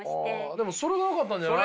でもそれがよかったんじゃないの？